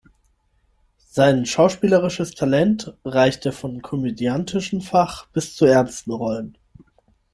Sein schauspielerisches Talent reichte vom komödiantischen Fach bis zu ernsten Rollen.